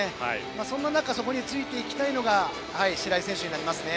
そんな中そこについていきたいのが白井選手になりますね。